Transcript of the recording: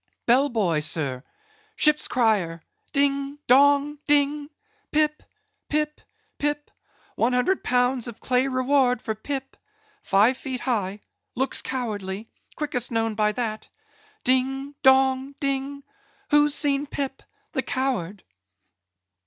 "Bell boy, sir; ship's crier; ding, dong, ding! Pip! Pip! Pip! One hundred pounds of clay reward for Pip; five feet high—looks cowardly—quickest known by that! Ding, dong, ding! Who's seen Pip the coward?"